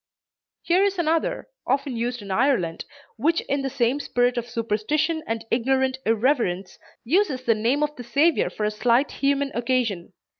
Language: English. Here is another, often used in Ireland, which in the same spirit of superstition and ignorant irreverence uses the name of the Savior for a slight human occasion.